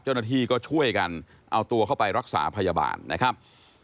เจ้าหน้าที่ก็ช่วยกันเอาตัวเข้าไปรักษาพยาบาลนะครับ